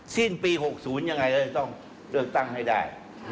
สิ้นปี๖๐ยังไงก็จะต้องเลือกตั้งให้ได้